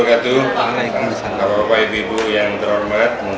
apa kabar pak ibu ibu yang terhormat